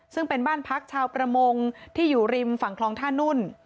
ซึ่งเป็นบ้านพักชาวประมงที่อยู่ริมฝั่งคลองท่านุ่น